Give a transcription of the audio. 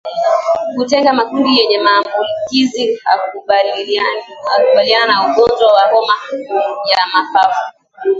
Kutenga makundi yenye maambukizi hukabiliana na ugonjwa wa homa ya mapafu